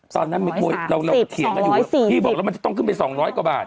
ตอนนั้นโอ๊ยเราเขียนคืออยู่แล้วพี่บอกแล้วที่จะต้องขึ้นไป๒๐๐กว่าบาท